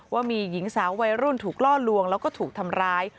ว่ามีหญิงสาววัยรุ่นถูกล่อลวงแล้วก็ถูกทำร้าย